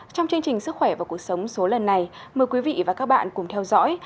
trong chương trình sức khỏe và cuộc sống số lần này mời quý vị và các bạn cùng theo dõi